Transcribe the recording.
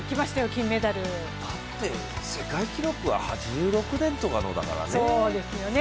金メダルだって世界記録は８６年とかのだからね。